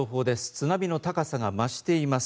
津波の高さが増しています